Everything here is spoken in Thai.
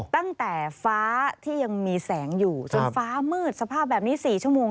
ตั้งแต่ฟ้าที่ยังมีแสงอยู่จนฟ้ามืดสภาพแบบนี้๔ชั่วโมง